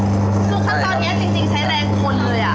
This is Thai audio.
คือขั้นตอนนี้จริงใช้แรงคนเลย